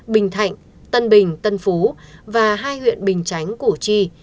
bình thạnh tân bình tân phú và hai huyện bình chánh củ chi